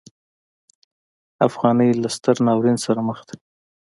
افغانۍ له ستر ناورین سره مخ ده.